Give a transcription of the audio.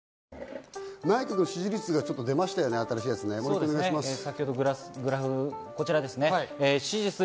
内閣の支持率がちょっと出ましたね、新しいやつ。